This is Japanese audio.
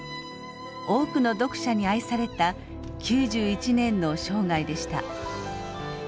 多くの読者に愛された９１年の生涯でした。